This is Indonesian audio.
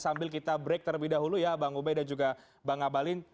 sambil kita break terlebih dahulu ya bang ube dan juga bang abalin